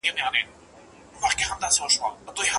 چا ويل چې دلته څوک په وينو کې اختر نه کوي